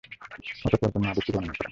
আতঃপর পূর্ণ হাদীসটি বর্ণনা করেন।